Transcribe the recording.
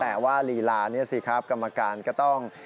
แต่ว่าลีลานี่สิครับกรรมการก็ต้อง